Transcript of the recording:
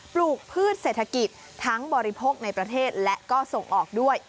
ปลูกพืชเศรษฐกิจทั้งบริโภคในประเทศและก็ส่งออกด้วย